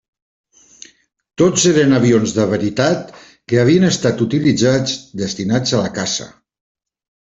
Tots eren avions de veritat que havien estat utilitzats, destinats a la caça.